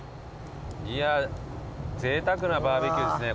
いやぜいたくなバーベキューですねこれは。